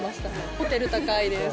ホテル高いです。